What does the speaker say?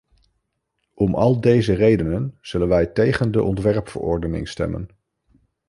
Om al deze redenen zullen wij tegen de ontwerpverordening stemmen.